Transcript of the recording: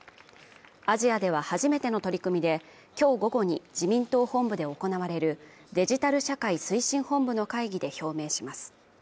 アジアでは初めての取り組みできょう午後に自民党本部で行われるデジタル社会推進本部の会議で表明します